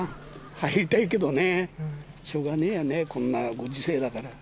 入りたいけどね、しょうがねえやね、こんなご時世だから。